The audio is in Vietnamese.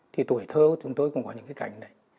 thì tuổi thơ chúng tôi cũng có những cái cảnh này